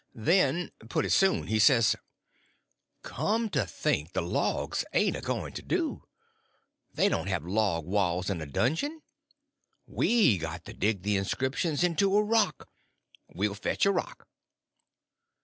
Then pretty soon he says: "Come to think, the logs ain't a going to do; they don't have log walls in a dungeon: we got to dig the inscriptions into a rock. We'll fetch a rock."